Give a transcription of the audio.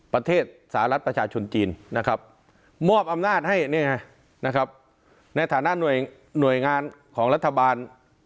ประเทศสหรัฐประชาชนจีนมอบอำนาจให้ในฐานะหน่วยงานของรัฐบาล